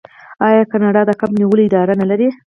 آیا کاناډا د کب نیولو اداره نلري؟